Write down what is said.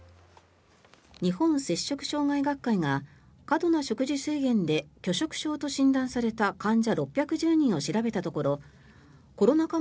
日本摂食障害学会が過度な食事制限で拒食症と診断された患者６１０人を調べたところコロナ禍